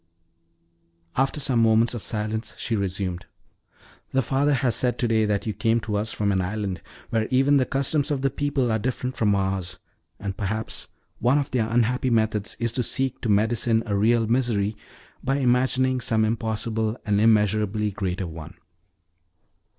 After some moments of silence, she resumed: "The father has said to day that you came to us from an island where even the customs of the people are different from ours; and perhaps one of their unhappy methods is to seek to medicine a real misery by imagining some impossible and immeasurably greater one.